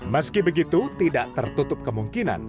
meski begitu tidak tertutup kemungkinan